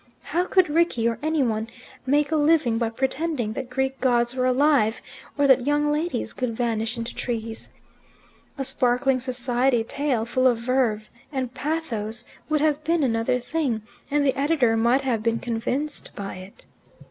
How could Rickie, or any one, make a living by pretending that Greek gods were alive, or that young ladies could vanish into trees? A sparkling society tale, full of verve and pathos, would have been another thing, and the editor might have been convinced by it.